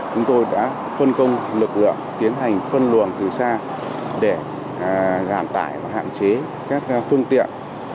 chúng tôi đã phân công lực lượng tiến hành phân luồng từ xa để giảm tải và hạn chế các phương tiện